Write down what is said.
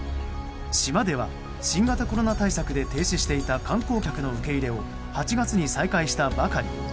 島では、新型コロナ対策で停止していた観光客の受け入れを８月に再開したばかり。